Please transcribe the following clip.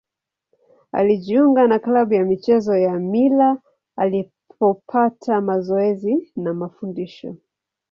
Alijiunga na klabu ya michezo ya Mila alipopata mazoezi na mafundisho.